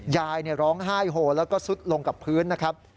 ยายร้องไห้โหแล้วก็ซุดลงกับพื้นนะครับ